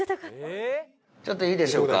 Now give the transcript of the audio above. ちょっといいでしょうか？